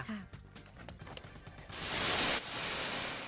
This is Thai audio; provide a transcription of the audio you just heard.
จริงค่ะ